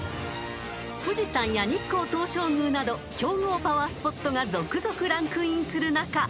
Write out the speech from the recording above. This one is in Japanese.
［富士山や日光東照宮など強豪パワースポットが続々ランクインする中